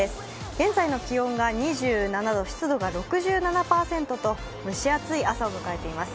現在の気温が２７度、湿度が６７％と蒸し暑い朝を迎えています。